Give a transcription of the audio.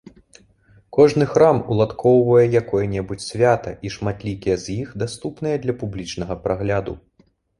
Кожны храм уладкоўвае якое-небудзь свята, і шматлікія з іх даступныя для публічнага прагляду.